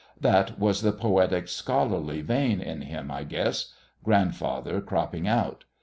That was the poetic, scholarly vein in him, I guess grandfather cropping out.